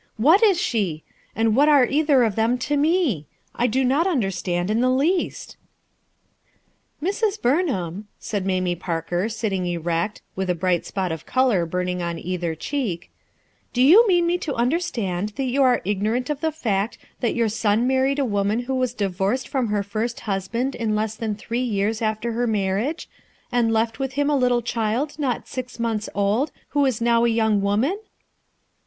What is she? And what are either of them to me? i do not understand in the least." "Mrs. Bumhara," said Mamie Parker, sitting erect, with a bright spot of color burning on either cheek, "do you mean mc to understand that you are ignorant of the fact that your son married a woman who was divorced from her first husband in less than three years after her marriage, and left with him a little child not six months old, who is now a young woman?"